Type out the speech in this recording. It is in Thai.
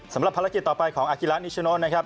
สำหรับภารกิจต่อไปของอากิระนิชโนนะครับ